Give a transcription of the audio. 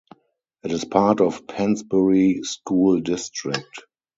It is part of Pennsbury School District.